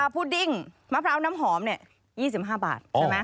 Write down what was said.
พูดดิ้งมะพร้าวน้ำหอม๒๕บาทใช่ไหม